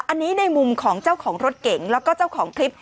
อันนี้ในมุมของเจ้าของรถเก๋งแล้วก็เจ้าของคลิป